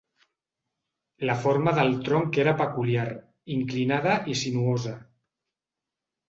La forma del tronc era peculiar, inclinada i sinuosa.